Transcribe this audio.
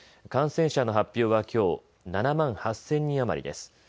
感染者の発表はきょう７万８０００人余りです。